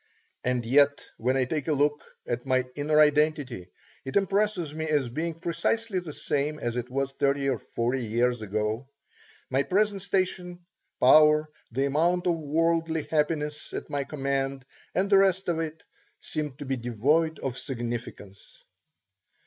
And yet when I take a look at my inner identity it impresses me as being precisely the same as it was thirty or forty years ago. My present station, power, the amount of worldly happiness at my command, and the rest of it, seem to be devoid of significance.